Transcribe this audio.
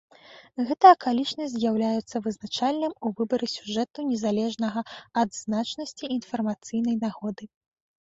Гэта акалічнасць з'яўляецца вызначальным у выбары сюжэту, незалежна ад значнасці інфармацыйнай нагоды.